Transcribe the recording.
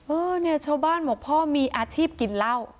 เออเนี่ยชาวบ้านบอกพ่อมีอาชีพกินเหล้า